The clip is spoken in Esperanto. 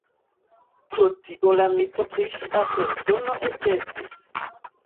Pro tio la mito pri ŝia persono ekestis.